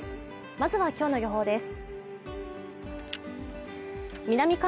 まずは今日の予報です。